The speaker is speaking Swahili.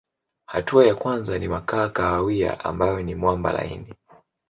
Hatua ya kwanza ni makaa kahawia ambayo ni mwamba laini.